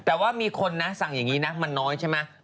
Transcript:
แต่ว่ามีคนนะสั่งอย่างนี้นะมันน้อยใช่ไหม